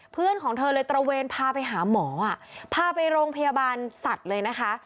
เพื่อนของเธอเลยตระเวนพาไปหาหมอพาไปโรงพยาบาลสัตว์เลยนะคะ